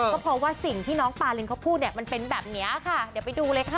ก็เพราะว่าสิ่งที่น้องปารินเขาพูดเนี่ยมันเป็นแบบนี้ค่ะเดี๋ยวไปดูเลยค่ะ